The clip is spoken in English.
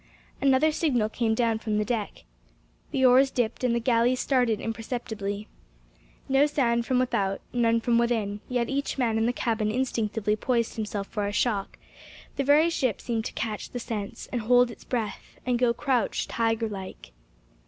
Another signal came down from the deck. The oars dipped, and the galley started imperceptibly. No sound from without, none from within, yet each man in the cabin instinctively poised himself for a shock; the very ship seemed to catch the sense, and hold its breath, and go crouched tiger like.